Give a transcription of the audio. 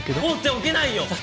放っておけないよ！